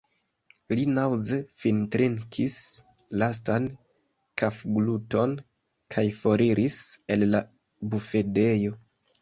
Li naŭze fintrinkis lastan kafgluton kaj foriris el la bufedejo.